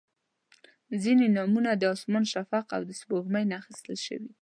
• ځینې نومونه د اسمان، شفق، او سپوږمۍ نه اخیستل شوي دي.